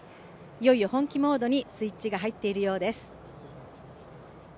いよいよ本気モードにスイッチが入っているようです。